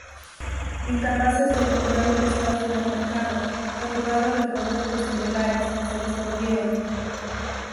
Incapaces de encontrar un espacio en el mercado, saturado de productos similares, se disolvieron.